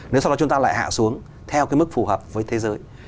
nếu sau đó chúng ta lại hạ xuống theo cái mức phù hợp với thế giới